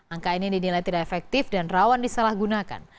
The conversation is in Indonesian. angka ini dinilai tidak efektif dan rawan disalahgunakan